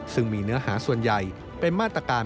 ซึ่งมีเนื้อหาส่วนใหญ่เป็นมาตรการ